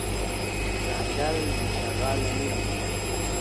ځنګل بی شغاله نه وي .